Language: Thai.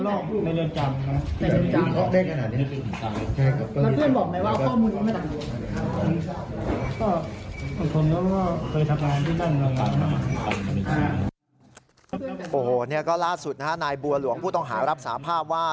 โอ้โหนี่ก็ล่าสุดนะฮะนายบัวหลวงผู้ต้องหารับสาภาพว่า